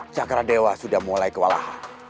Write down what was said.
cakra dewa sudah mulai kewalahan